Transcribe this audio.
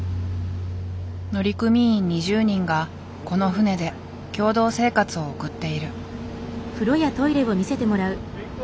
乗組員２０人がこの船で共同生活を送っている。